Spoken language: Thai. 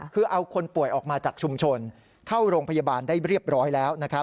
คือเอาคนป่วยออกมาจากชุมชนเข้าโรงพยาบาลได้เรียบร้อยแล้วนะครับ